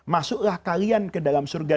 masuklah kalian ke dalam surga